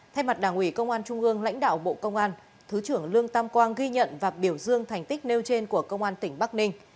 thay mặt đảng ủy công an trung ương lãnh đạo bộ công an thứ trưởng lương tam quang ghi nhận và biểu dương thành tích nêu trên của công an tỉnh bắc ninh